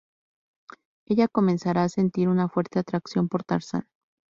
Ella comenzará a sentir una fuerte atracción por Tarzán.